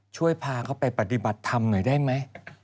ช่วยพาเขาไปปฏิบัติธรรมหน่อยได้ไหม